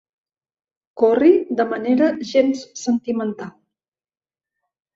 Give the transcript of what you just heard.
Corri de manera gens sentimental.